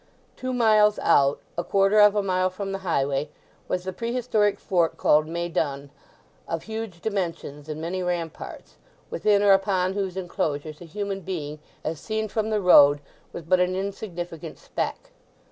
Two miles out, a quarter of a mile from the highway, was the prehistoric fort called Mai Dun, of huge dimensions and many ramparts, within or upon whose enclosures a human being as seen from the road, was but an insignificant speck.